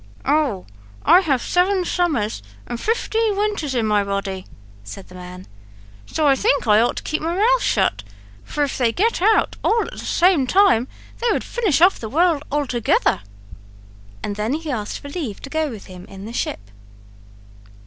"Oh, I have seven summers and fifteen winters in my body," said the man; "so I think I ought to keep my mouth shut, for if they get out all at the same time they would finish off the world altogether." And then he asked for leave to go with him in the ship.